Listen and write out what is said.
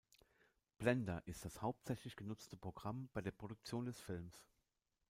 Blender ist das hauptsächlich genutzte Programm bei der Produktion des Films.